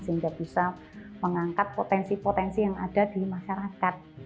sehingga bisa mengangkat potensi potensi yang ada di masyarakat